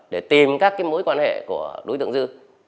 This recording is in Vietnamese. để tìm các mối quan hệ của đối tượng dư